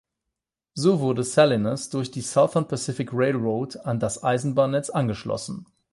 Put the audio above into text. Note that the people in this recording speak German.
So wurde Salinas durch die Southern Pacific Railroad an das Eisenbahnnetz angeschlossen.